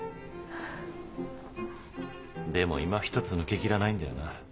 でも今ひとつ抜け切らないんだよな。